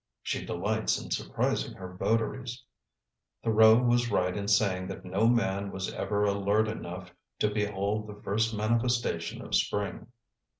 She delights in surprising her votaries. Thoreau was right in saying that no man was ever alert enough to behold the first manifestation of spring.